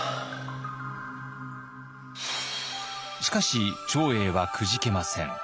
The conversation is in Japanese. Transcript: しかし長英はくじけません。